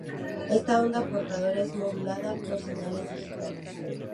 Esta onda portadora es modulada por señales digitales.